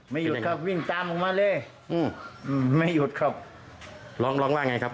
หยุดครับวิ่งตามออกมาเลยอืมไม่หยุดครับร้องร้องว่าไงครับ